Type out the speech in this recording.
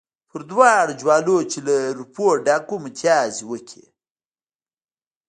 پر دواړو جوالونو چې له روپو ډک وو متیازې وکړې.